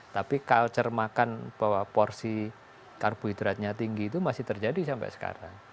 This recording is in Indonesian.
tapi culture makan bahwa porsi karbohidratnya tinggi itu masih terjadi sampai sekarang